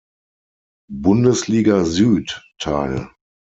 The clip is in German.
Bundesliga Süd teil.